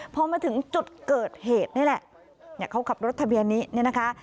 พอมาถึงจุดเกิดเหตุนี่แหละเขาขับรถทะเบียนนี้เนี่ยนะคะ